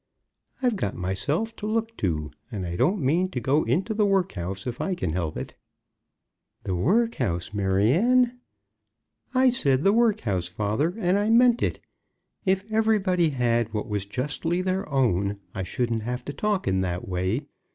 I've got myself to look to, and I don't mean to go into the workhouse if I can help it!" "The workhouse, Maryanne!" "I said the workhouse, father, and I meant it. If everybody had what was justly their own, I shouldn't have to talk in that way.